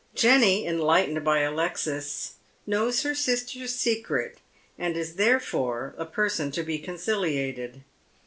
Jenny, enlightened by Alexis, knows her sister's secret, and is therefore a person to be conciliated.